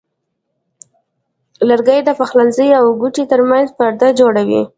لرګی د پخلنځي او کوټې ترمنځ پرده جوړوي.